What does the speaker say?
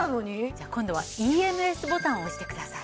じゃあ今度はＥＭＳボタンを押してください。